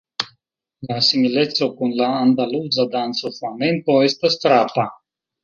La simileco kun la andaluza danco Flamenko estas frapa.